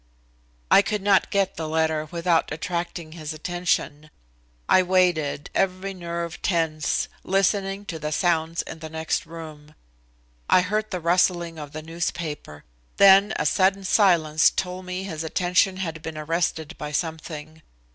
I could not get the letter without attracting his attention. I waited, every nerve tense, listening to the sounds in the next room. I heard the rustling of the newspaper; then a sudden silence told me his attention had been arrested by something.